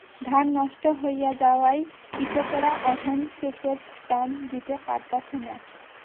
ধান নষ্ট হইয়া যাওয়ায় কৃষকেরা অহন সেচের দাম দিতে পারতাছে না।